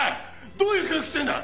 どういう教育してんだ！